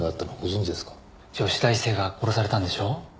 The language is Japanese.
女子大生が殺されたんでしょ？